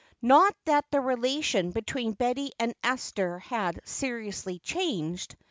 Not that the relation between Betty and Esther had seriously changed.